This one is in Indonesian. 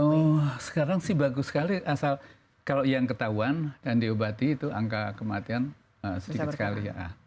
oh sekarang sih bagus sekali asal kalau yang ketahuan dan diobati itu angka kematian sedikit sekali